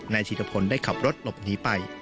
นายทีรภนได้ขับรถหลบหนีไป